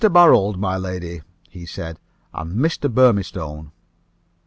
Barold, my lady," he said, "and Mr. Burmistone."